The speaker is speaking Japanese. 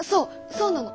そうなの。